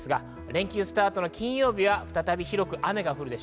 連休スタートの金曜日は再び広く雨。